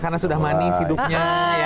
karena sudah manis hidupnya